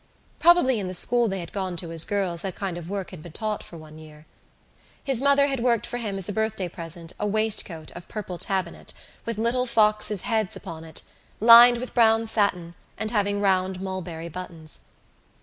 Probably in the school they had gone to as girls that kind of work had been taught for one year. His mother had worked for him as a birthday present a waistcoat of purple tabinet, with little foxes' heads upon it, lined with brown satin and having round mulberry buttons.